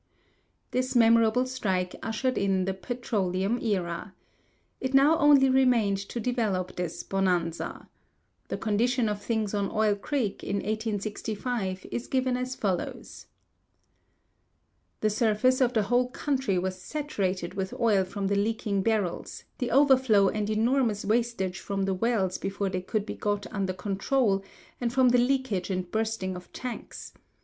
This memorable strike ushered in the petroleum era. It now only remained to develop this "bonanza." The condition of things on Oil Creek in 1865 is given as follows: "The surface of the whole country was saturated with oil from the leaking barrels, the overflow and enormous wastage from the wells before they could be got under control, and from the leakage and bursting of tanks.